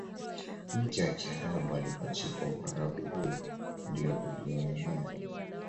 mke wa Kiarabu alipachikwa Uarabu huo ndiyo uliyoenea